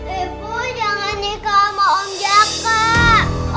ibu jangan nikah sama om jaka